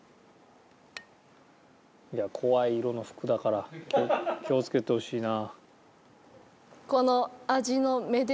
いや怖い色の服だから気をつけてほしいな。